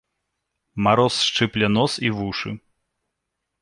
Мароз шчыпле нос і вушы.